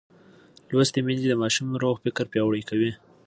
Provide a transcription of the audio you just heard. لوستې میندې د ماشوم روغ فکر پیاوړی کوي.